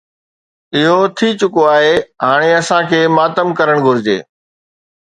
اهو ٿي چڪو آهي، هاڻي اسان کي ماتم ڪرڻ گهرجي.